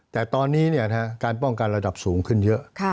แต่ตอนนี้การป้องกันระดับสูงขึ้นเยอะ